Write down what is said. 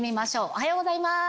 おはようございます！